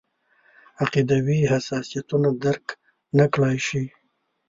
عقیدوي حساسیتونه درک نکړای شي.